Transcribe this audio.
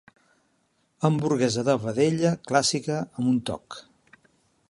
Hamburguesa de vedella clàssica amb un toc.